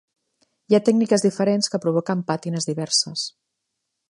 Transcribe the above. Hi ha tècniques diferents que provoquen pàtines diverses.